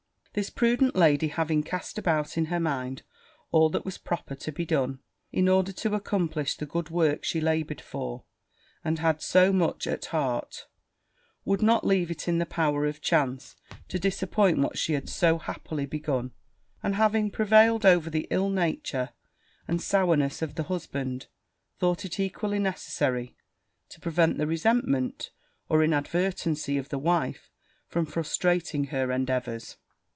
This prudent lady having cast about in her mind all that was proper to be done, in order to accomplish the good work she laboured for, and had so much at heart, would not leave it in the power of chance to disappoint what she had so happily begun; and having prevailed over the ill nature and sourness of the husband, thought it equally necessary to prevent the resentment, or inadvertency, of the wife from frustrating her endeavours.